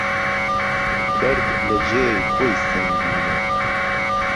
بەرد لە جێ ی خۆی سەنگینە